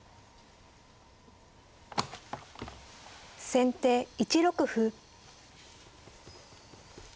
先手１六歩。